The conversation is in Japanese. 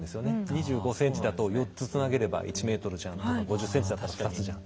２５ｃｍだと４つつなげれば１ｍじゃんとか５０ｃｍだと２つじゃん。